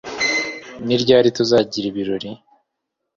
Ni ryari tuzagira ibirori